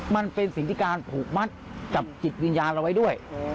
มันเป็นสิ่งที่การผูกมัดกับจิตวิญญาณเราไว้ด้วย